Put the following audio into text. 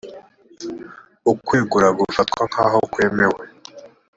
ukwegura gufatwa nk aho kwemewe